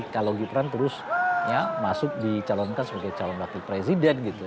kalau gibran terus masuk dicalonkan sebagai calon wakil presiden gitu